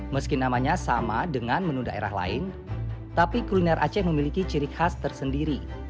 meski namanya sama dengan menu daerah lain tapi kuliner aceh memiliki ciri khas tersendiri